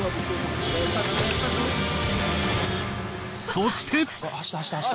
そして。